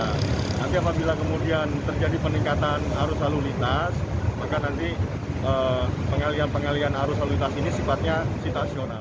nanti apabila kemudian terjadi peningkatan arus lalu lintas maka nanti pengalian pengalian arus lalu lintas ini sifatnya situasional